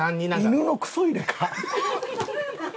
犬のクソ入れか？